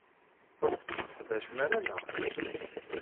Ur tt-tesseqdacem ara, naɣ?